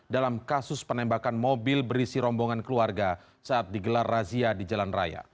dalam kasus penembakan mobil berisi rombongan keluarga saat digelar razia di jalan raya